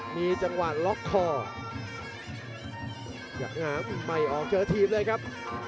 มีจังหวานล็อคคอร์อยากหาใหม่ออกเจอทีมเลยครับ